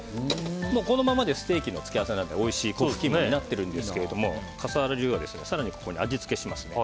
このままでステーキの付け合わせなんかでもおいしい粉ふきいもになっているんですが笠原流は更にここに味付けします。